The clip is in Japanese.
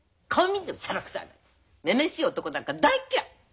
女々しい男なんか大っ嫌い！